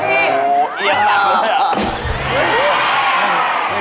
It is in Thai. เอียงมากเลย